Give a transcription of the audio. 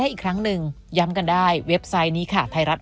อีกครั้งหนึ่งย้ำกันได้เว็บไซต์นี้ค่ะไทยรัฐ